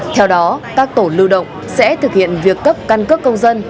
theo đó các tổ lưu động sẽ thực hiện việc cấp căn cước công dân